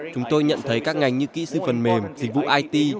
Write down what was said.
chúng tôi nhận thấy các ngành như kỹ sư phần mềm dịch vụ it